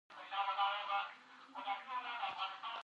ځمکنی شکل د افغانستان د ملي هویت نښه ده.